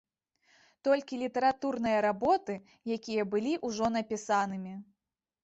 Толькі літаратурныя работы, якія былі ўжо напісанымі.